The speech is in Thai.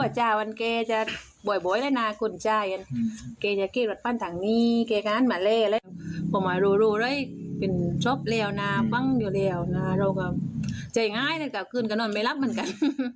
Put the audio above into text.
เจ้าหน้าฟังเดี๋ยวโรคก็เจ๋ยง่ายแต่กลับคืนกับนอนไม่รับเหมือนกัน